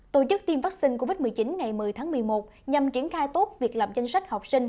tổ chức tiêm vaccine covid một mươi chín ngày một mươi tháng một mươi một nhằm triển khai tốt việc làm danh sách học sinh